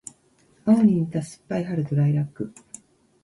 青に似た酸っぱい春とライラック